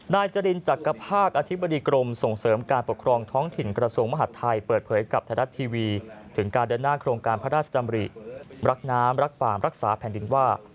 นายจรินจักรภาคอธิบดีกรมส่งเสริมการปกครองท้องถิ่นกระทรวงมหาดไทยเปิดเผยกับไทยรัฐทีวีถึงการเดินหน้าโครงการพระราชดำริรักน้ำรักฟาร์มรักษาแผ่นดินว่า